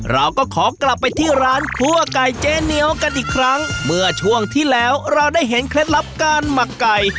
เราก็ขอกลับไปที่ร้านครัวไก่เจ๊เหนียวกันอีกครั้งเมื่อช่วงที่แล้วเราได้เห็นเคล็ดลับการหมักไก่